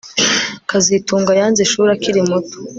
kazitunga yanze ishuri akiri muto